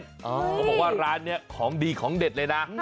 เขาบอกว่าร้านนี้ของดีของเด็ดเลยนะ